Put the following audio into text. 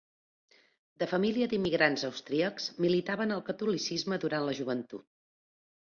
De família d'immigrants austríacs, militava en el catolicisme durant la joventut.